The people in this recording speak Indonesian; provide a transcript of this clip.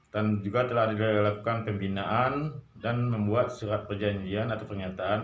dan juga telah dilakukan pembinaan dan membuat surat perjanjian atau pernyataan